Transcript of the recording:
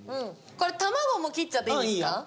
これ卵も切っちゃっていいんですか？